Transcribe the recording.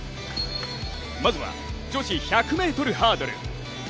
まずは、女子１００ｍハードル。